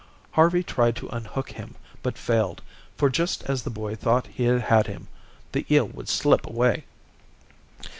Harvey tried to unhook him, but failed; for just as the boy thought he had him, the eel would slip away.